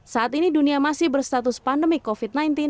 saat ini dunia masih berstatus pandemi covid sembilan belas